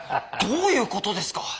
どういう事ですか？